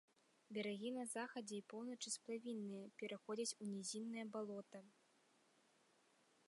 Берагі на захадзе і поўначы сплавінныя, пераходзяць у нізіннае балота.